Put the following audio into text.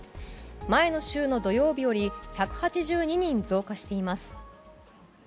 前の週の土曜日より１８２人増加しています。